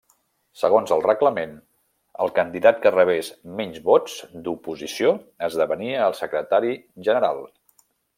Segons el reglament, el candidat que rebés menys vots d'oposició esdevenia el Secretari General.